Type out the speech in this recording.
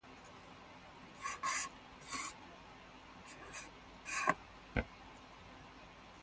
Nzɛ́ɛ́ ú bɔ mi ŋgá nɛ́ ŋ̀ kɔ motó a jan.